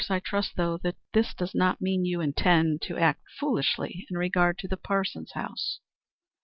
I trust, though, that this does not mean you intend to act foolishly in regard to the Parsons house."